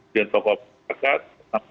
dan tokoh masyarakat